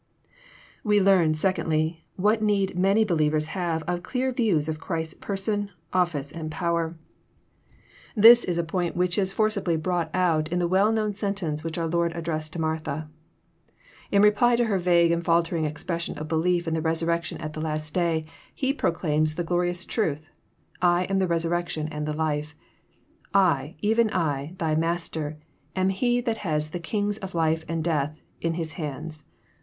We learn, secondly, what need many believers have of clear views of Christ's person^ office^ and poioer. This 256 EXF06IT0RT THOUGHTS. is a point which is forcibly brought out in the well known sentence which our Lord addressed to Martha. In reply to her vague and faltering expression of belief in the resurrection at the last day, He proclaims the glorious truth, " I am the resurrection and the life ;"—" I, even T, thy Master, am He that has the keys of life and death in IIi« hands."